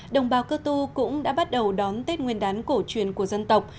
đồng bào cơ tu cũng đã bắt đầu đón tết nguyên đán cổ truyền của dân tộc